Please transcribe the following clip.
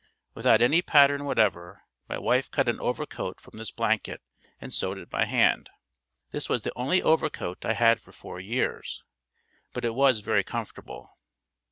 Without any pattern whatever, my wife cut an overcoat from this blanket and sewed it by hand. This was the only overcoat I had for four years, but it was very comfortable.